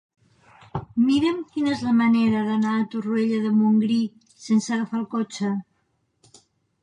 Mira'm quina és la millor manera d'anar a Torroella de Montgrí sense agafar el cotxe.